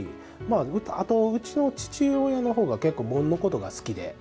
あとはうちの父親のほうが結構、紋のことが好きで。